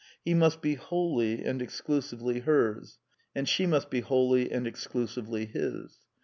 He must be wholly and exclusively hers ; and she must be wholly and exclusively his.